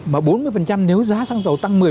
mà bốn mươi nếu giá xăng dầu tăng một mươi